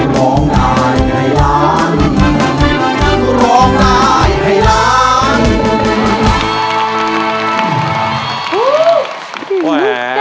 ขวายแหหง